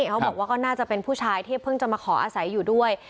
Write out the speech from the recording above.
เขาบอกว่าก็น่าจะเป็นผู้ชายที่เพิ่งจะมาขออาศัยอยู่ด้วย